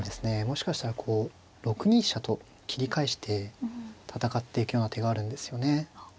もしかしたら６二飛車と切り返して戦っていくような手があるんですよね。